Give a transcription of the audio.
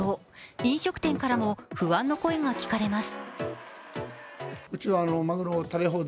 飲食店からも不安の声が聞かれます。